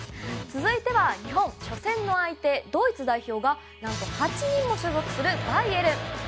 続いては日本初戦の相手ドイツ代表がなんと８人も所属するバイエルン。